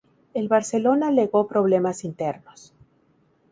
El Barcelona alegó problemas internos.